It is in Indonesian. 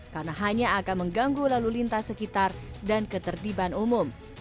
karena hanya akan mengganggu lalu lintas sekitar dan ketertiban umum